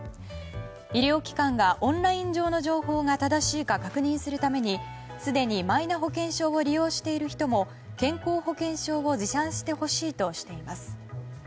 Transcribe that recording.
医療機関がオンライン上の情報が正しいか確認するために、すでにマイナ保険証を利用している人も健康保険証を持参してほしいとしています。